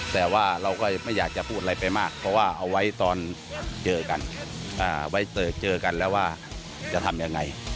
แต่ว่าเราก็ไม่อยากจะพูดอะไรไปมากเพราะว่าเอาไว้ตอนเจอกันไว้เจอกันแล้วว่าจะทำยังไง